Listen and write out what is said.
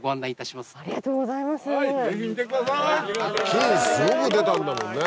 金すごく出たんだもんね。